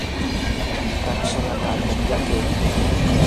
taksha nanaatam llakii.